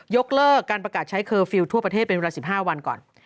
ยกเลิกการประกาศใช้เคอร์ฟิลลทั่วประเทศเป็นเวลา๑๕วันก่อน